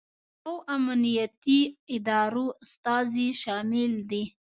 او امنیتي ادارو استازي شامل دي